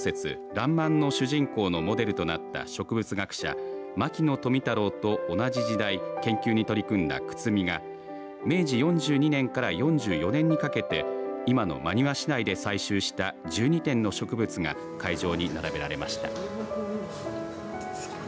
らんまんの主人公のモデルとなった植物学者、牧野富太郎と同じ時代研究に取り組んだ九津見が明治４２年から４４年にかけて今の真庭市内で採集した１２点の植物が会場に並べられました。